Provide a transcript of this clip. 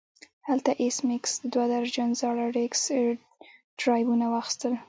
هلته ایس میکس دوه درجن زاړه ډیسک ډرایوونه واخیستل